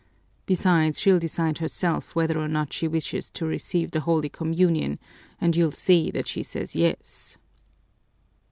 Besides, she'll decide herself whether or not she wishes to receive the holy communion and you'll see that she says yes."